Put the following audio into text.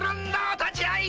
お立ち合い！